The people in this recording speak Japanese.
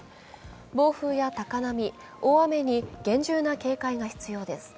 暴風や高波、大雨に厳重な警戒が必要です。